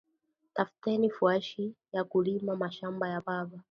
Tutafuteni fuashi yaku rima mashamba ya baba